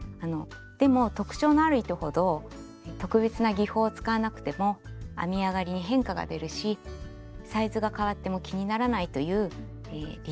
でも特徴のある糸ほど特別な技法を使わなくても編み上がりに変化が出るしサイズが変わっても気にならないという利点があります。